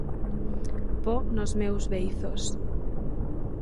Po nos meus beizos.